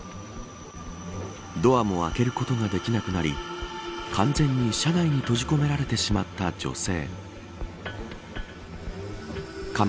ドアも開けることができなくなり完全に車内に閉じ込められてしまった女性。